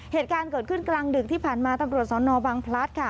เหตุการณ์เกิดขึ้นกลางดึกที่ผ่านมาตำรวจสนบังพลัดค่ะ